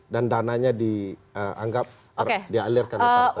dan dananya dianggap dialirkan oleh partai